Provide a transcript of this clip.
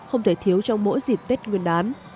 không thể thiếu trong mỗi dịp tết nguyên đán